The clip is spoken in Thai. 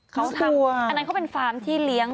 เขาทำอันนั้นเขาเป็นฟาร์มที่เลี้ยง